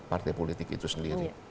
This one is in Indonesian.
partai politik itu sendiri